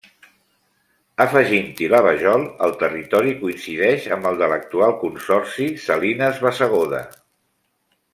Afegint-hi la Vajol, el territori coincideix amb el de l'actual Consorci Salines Bassegoda.